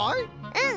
うん。